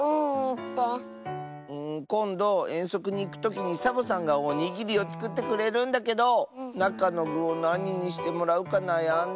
こんどえんそくにいくときにサボさんがおにぎりをつくってくれるんだけどなかのぐをなににしてもらうかなやんでて。